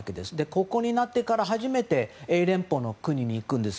国王になってから英連邦の国に行くんです。